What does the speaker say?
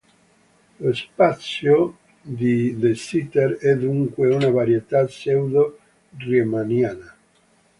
Lo spazio di de Sitter è dunque una varietà pseudo-Riemanniana.